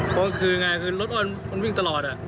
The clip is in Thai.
เพราะว่าคืออย่างไรรถอ้อนมันวิ่งตลอด